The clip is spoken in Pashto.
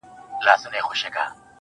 يا الله تې راته ژوندۍ ولره.